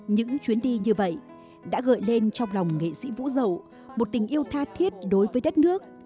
những chuyến đi như vậy đã gợi lên trong lòng nghệ sĩ vũ dậu một tình yêu tha thiết đối với đất nước